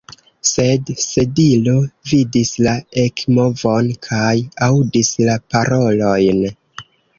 Sed Sedilo vidis la ekmovon kaj aŭdis la parolojn.